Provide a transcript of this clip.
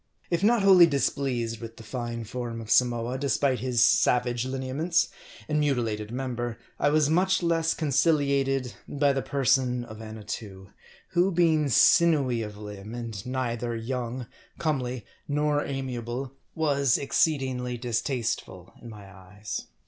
If not wholly displeased with the fine form of Samoa, despite his savage lineaments, and mutilated member, I was much less conciliated by the person of Annatoo ; who, being sinewy of limb, and neither young, comely, nor amiable, was exceedingly distasteful in my eyes.